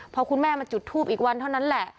พอคุณแม่มาจุดทูปอีกวันเท่านั้นแหละ